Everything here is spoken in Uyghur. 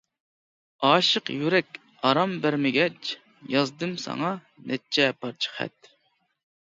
ئاشىق يۈرەك ئارام بەرمىگەچ، يازدىم ساڭا نەچچە پارچە خەت.